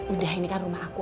udah ini kan rumah aku